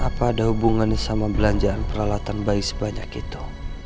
apa ada hubungannya sama belanjaan peralatan bayi sebanyak itu